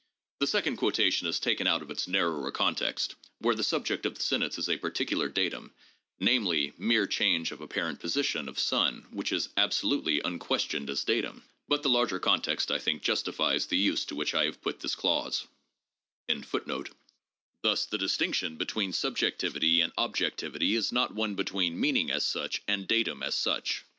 The second quotation is taken out of its narrower context, where the subject of the sentence is a particular datum, namely, " Mere change of apparent position of sun, which is absolutely unques tioned as datum." But the larger context, I think, justifies the use to which I have put this clause. 592 THE JOURNAL OF PHILOSOPHY objectivity is not one between meaning as such and datum as such.